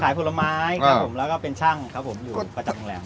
ผลไม้ครับผมแล้วก็เป็นช่างครับผมอยู่ประจำโรงแรม